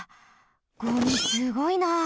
ゴミすごいな。